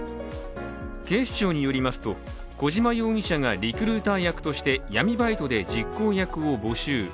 警視庁によりますと、小島容疑者がリクルーター役として闇バイトで実行役を募集。